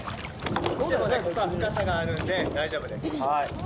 落ちてもね、ここは深さがあるので、大丈夫です。